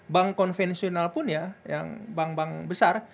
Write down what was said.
bank konvensional pun ya yang bank bank besar